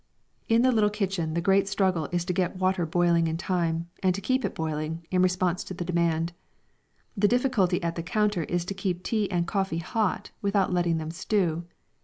In the little kitchen the great struggle is to get water boiling in time, and to keep it boiling, in response to the demand. The difficulty at the counter is to keep tea and coffee hot without letting them stew.